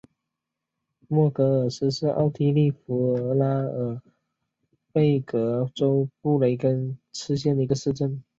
默格尔斯是奥地利福拉尔贝格州布雷根茨县的一个市镇。